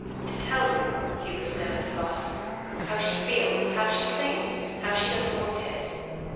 "To tell you?" He was still at a loss. "How she feels. How she clings. How she doesn't want it."